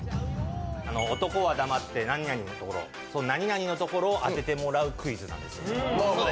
男は黙って何々のところ、何々のところを当ててもらうクイズなんです。